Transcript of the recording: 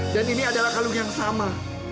dan ini adalah kalung yang sama